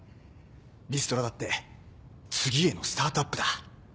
リストラだって次へのスタートアップだ。